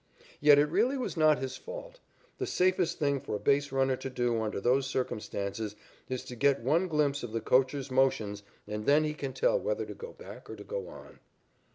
Yet it really was not his fault. The safest thing for a base runner to do under those circumstances is to get one glimpse of the coacher's motions and then he can tell whether to go back or to go on.